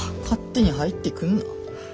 勝手に入ってくんな。